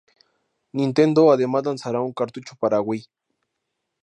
Nintendo además lanzará un cartucho para la Wii.